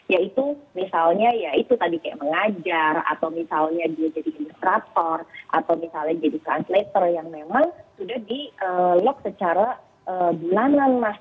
yaitu misalnya ya itu tadi kayak mengajar atau misalnya dia jadi ilustrator atau misalnya jadi translator yang memang sudah di log secara bulanan mas